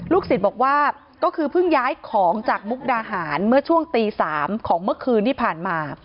ศิษย์บอกว่าก็คือเพิ่งย้ายของจากมุกดาหารเมื่อช่วงตี๓ของเมื่อคืนที่ผ่านมา